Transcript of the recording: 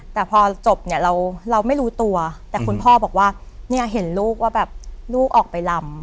แต่พอจบเนี่ยเราไม่รู้ตัวแต่คุณพ่อบอกว่าเนี่ยเห็นลูกว่าแบบลูกออกไปลำ